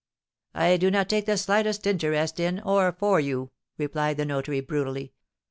"I do not take the slightest interest in or for you," replied the notary, brutally.